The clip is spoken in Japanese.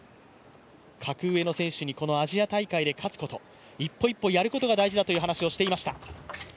格上の選手でアジア大会で勝つこと一歩一歩やることが大事だという話をしてきました。